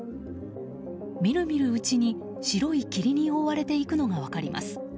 見る見るうちに、白い霧に覆われていくのが分かります。